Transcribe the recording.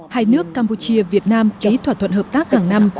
hai nước campuchia việt nam ký thỏa thuận hợp tác hàng năm